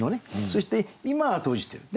そして今は閉じてる。